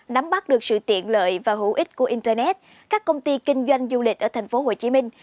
nắm bắt được sự tiện lợi và hữu ích của internet các công ty kinh doanh du lịch ở thành phố hồ chí minh